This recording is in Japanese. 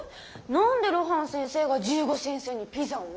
なんで露伴先生が十五先生にピザを？